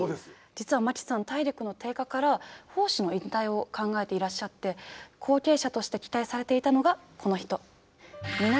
実は槇さん体力の低下から砲手の引退を考えていらっしゃって後継者として期待されていたのがこの人。